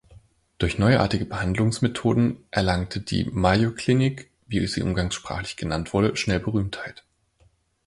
Durch neuartige Behandlungsmethoden erlangte die "Mayo Clinic", wie sie umgangssprachlich genannt wurde, schnell Berühmtheit.